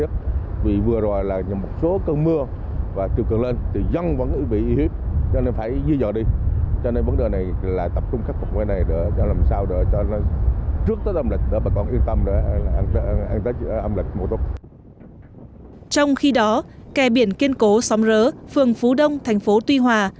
trong khi đó kè biển kiên cố sóng rớ phường phú đông thành phố tuy hòa